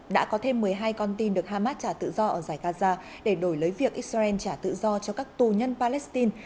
đã có thêm một mươi hai con tin được hamas trả tự do ở giải gaza để đổi lấy việc israel trả tự do cho các tù nhân palestine